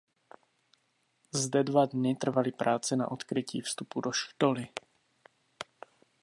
Zde dva dny trvaly práce na odkrytí vstupu do štoly.